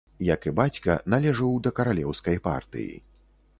Як і бацька, належыў да каралеўскай партыі.